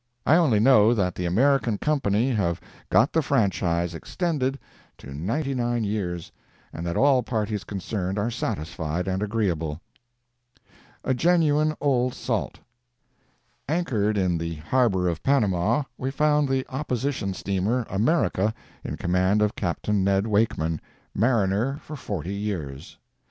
I only know that the American company have got the franchise extended to ninety nine years, and that all parties concerned are satisfied and agreeable. A GENUINE OLD SALT Anchored in the harbor of Panama we found the Opposition Steamer, America, in command of Capt. Ned Wakeman, "mariner for forty years."